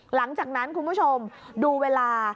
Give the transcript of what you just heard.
หลังจากนั้นคุณผู้ชมดูเวลา